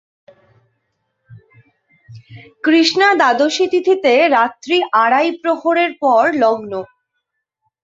কৃষ্ণা দ্বাদশীতিথিতে রাত্রি আড়াই প্রহরের পর লগ্ন।